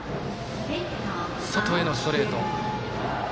外へのストレート。